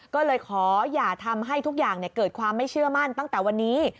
ก็เลยขออย่าทำให้ทุกอย่างเกิดความไม่เชื่อมั่นตั้งแต่วันนี้